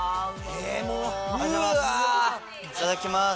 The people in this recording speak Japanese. いただきます。